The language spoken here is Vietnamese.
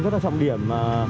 rất là trọng điểm mà